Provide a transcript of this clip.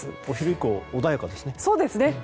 お昼以降、穏やかですね。